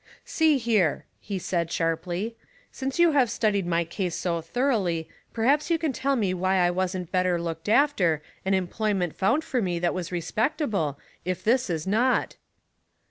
" See here," he said, sharply, " since you have studied my case so thoroughly, perhaps you can tell me why I wasn't better looked after, and em ployment found for me thai was respectable, if this is not